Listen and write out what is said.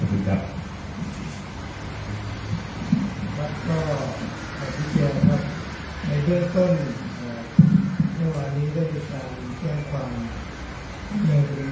ในเรื่องเปิดต้มเมื่อวานเนี้ย